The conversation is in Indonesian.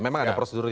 memang ada prosedur